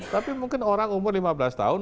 tapi mungkin orang umur lima belas tahun